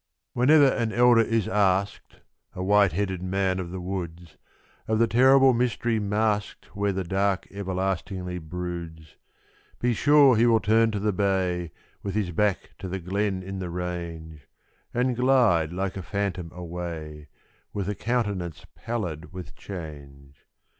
Whenever an elder is asked a white headed man of the woods Of the terrible mystery masked where the dark everlastingly broods, Be sure he will turn to the bay, with his back to the glen in the range, And glide like a phantom away, with a countenance pallid with change.